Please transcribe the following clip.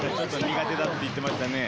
苦手だって言ってましたね。